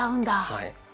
はい。